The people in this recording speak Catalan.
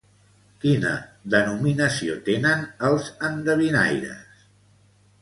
Quina denominació tenen els endevinaires?